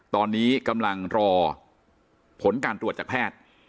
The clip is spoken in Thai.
ตอนนี้กำลังรอผลการตรวจจากแพทย์